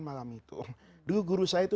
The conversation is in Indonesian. malam itu dulu guru saya itu